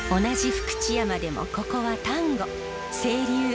同じ福知山でもここは丹後。